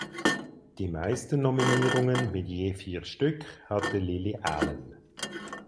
Die meisten Nominierungen mit je vier Stück hatte Lily Allen.